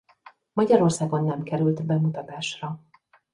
Magyarországon nem került bemutatásra.